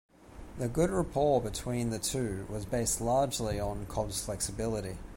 The good rapport between the two was based largely on Cobb's flexibility.